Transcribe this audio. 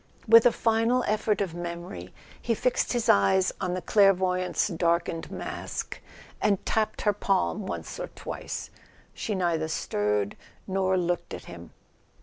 With a final effort of memory he fixed his eyes on the clairvoyant^s darkened mask, and tapped her palm once or twice. She neither stirred nor looked at him.